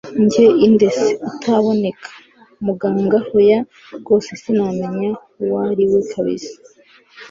njye inde se utaboneka! muganga hoya rwose sinamenya uwariwe kabsa